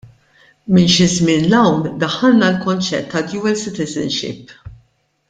Minn xi żmien ' il hawn daħħalna l-konċett tad-dual citizenship.